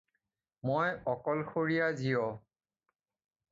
মই অকলশৰীয়া জীৱ।